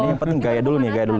yang penting gaya dulu nih gaya dulu